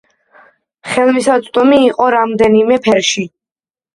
ხელმისაწვდომი იყო რამდენიმე ფერში.